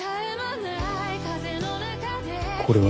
これは。